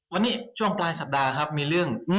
วันนี้ช่วงปลายสัปดาห์ครับมีเรื่อง